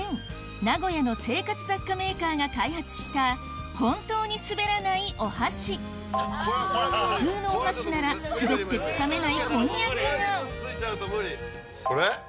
名古屋の生活雑貨メーカーが開発したほんとうにすべらないお箸普通のお箸なら滑ってつかめないこんにゃくがこれ？